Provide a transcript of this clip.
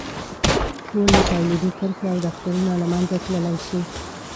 ټولې تولیدي کرښې او دفترونه له منځه تللی شي.